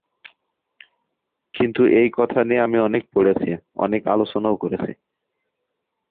কিন্তু এই কথা নিয়ে আমি অনেক পড়েছি, অনেক আলোচনাও করেছি।